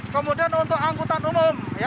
kemudian untuk angkutan umum